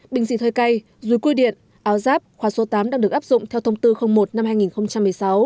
bình dịt hơi cay rùi cuối điện áo giáp khoa số tám đang được áp dụng theo thông tư một năm hai nghìn một mươi sáu